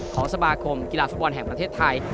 ของสมาคมกีฬาฟุตบอลแห่งประเทศไทย